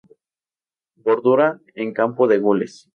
Bordura en campo de gules.